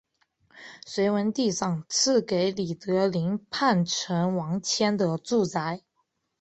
隋文帝赏赐给李德林叛臣王谦的住宅。